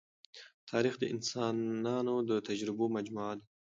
تاریخ د انسانانو د تجربو مجموعه ده.